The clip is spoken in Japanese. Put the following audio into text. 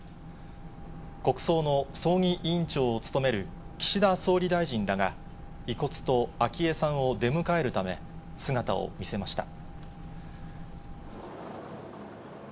国葬の葬儀委員長を務める岸田総理大臣らが、遺骨と昭恵さんを出迎えるため、姿を見せました。